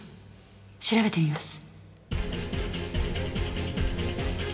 調べてみます。